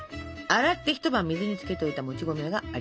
洗って一晩水につけておいたもち米があります。